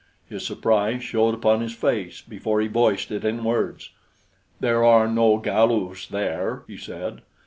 His surprise showed upon his face before he voiced it in words. "There are no Galus there," he said.